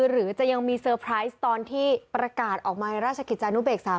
หรือจะยังมีเซอร์ไพรส์ตอนที่ประกาศออกมาในราชกิจจานุเบกษา